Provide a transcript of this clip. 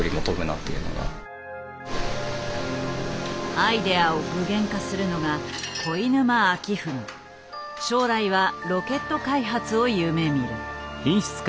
アイデアを具現化するのが将来はロケット開発を夢みる。